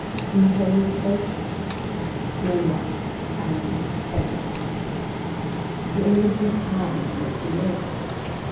Whom shall he reproach? No one and every one. The incomplete times in which we live.